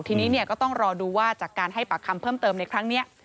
ทีนี้ก็ต้องรอดูว่าจากการให้ปากคำเพิ่มเติมในครั้งนี้